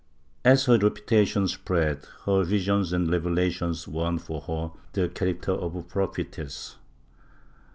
As her reputation spread, her visions and revelations won for her the character of a prophetess.